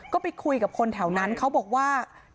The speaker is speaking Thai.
ก็ไปคุยกับคนแถวนั้นเขาบอกว่า